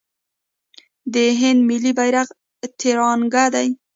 د هند ملي بیرغ تیرانګه دی.